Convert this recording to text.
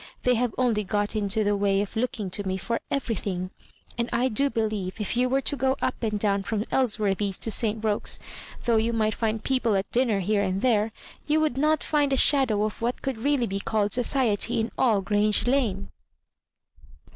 They have only got into the way of looking to me for everything; and I do believe if you were to go up and down from Elsworthy's to St Roque's, though you might find people at dinner here and there, you would not find a shadow of what could really be called society in all Grange Lane."